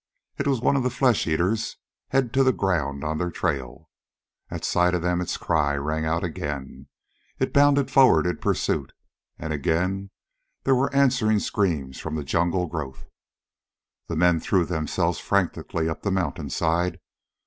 It was one of the flesh eaters, head to the ground on their trail. At sight of them its cry rang out again. It bounded forward in pursuit. And again there were answering screams from the jungle growth. The men threw themselves frantically up the mountainside.